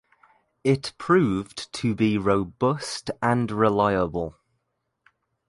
It proved to be robust and reliable.